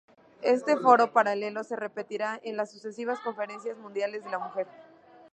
Este Foro paralelo se repetirá en las sucesivas Conferencias Mundiales de la Mujer.